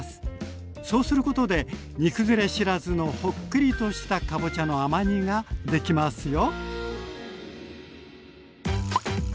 そうすることで煮崩れ知らずのほっくりとしたかぼちゃの甘煮ができますよ。